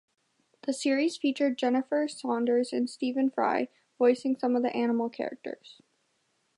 The series featured Jennifer Saunders and Stephen Fry voicing some of the animal characters.